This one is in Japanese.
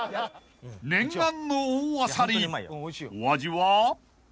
［念願の大アサリお味は？］